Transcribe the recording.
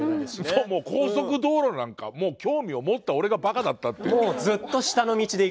そうもう高速道路なんか興味を持った俺がバカだったって。